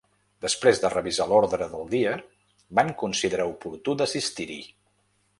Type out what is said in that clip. Després de revisar l’ordre del dia, van considerar oportú d’assistir-hi.